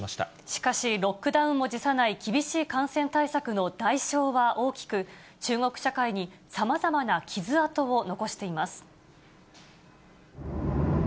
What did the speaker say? しかし、ロックダウンも辞さない厳しい感染対策の代償は大きく、中国社会にさまざまな傷痕を残しています。